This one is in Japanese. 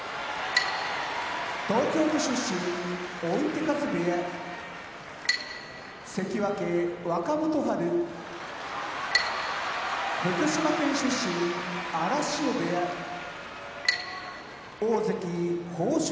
東京都出身追手風部屋関脇・若元春福島県出身荒汐部屋大関豊昇